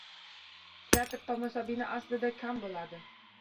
Teatr tomoshabini aslida kam bo‘ladi.